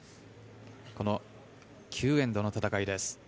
この９エンドの戦いです。